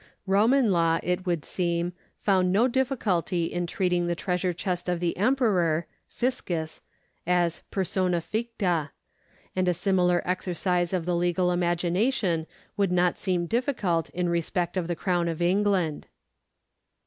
Roman law, it would seem, found no diffi culty in treating the treasure chest of the Emperor (fiscus) as persona ficta, and a similar exercise of the legal imagination would not seem difficult in respect of the Crown of England.